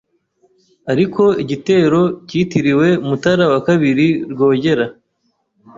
Ariko igitero kitiriwe Mutara II Rwogera